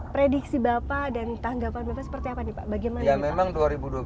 prediksi bapak dan tanggapan bapak seperti apa nih pak bagaimana